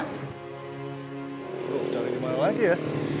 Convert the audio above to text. oh cari dimana lagi ya